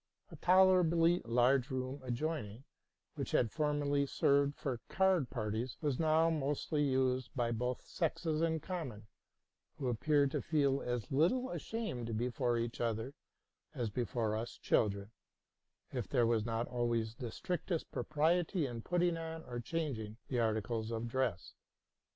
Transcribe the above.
A tolerably large room adjoining, which had formerly served for card parties, was now mostly used by both sexes in common, who appeared to feel as little ashamed before each other as before us chil dren, if there was not always the strictest propriety in putting on or changing the articles of dress.